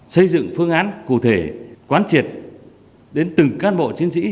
xây dựng phương án cụ thể quán triệt đến từng cán bộ chiến sĩ